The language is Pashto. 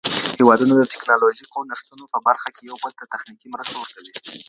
هیوادونه د ټیکنالوژیکو نوښتونو په برخه کي یو بل ته تخنیکي مرسته ورکوي.